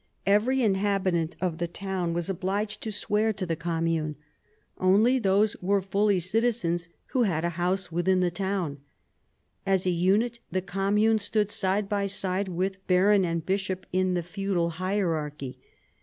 Every inhabitant in the town was obliged to swear to the commune. Only those were fully citizens who had a house within the town. As a unit the commune stood side by side with baron and bishop in the feudal hierarchy.